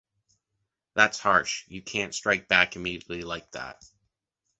That’s harsh. You can’t strike back immediately like that.